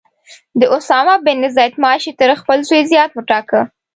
د اسامه بن زید معاش یې تر خپل زوی زیات وټاکه.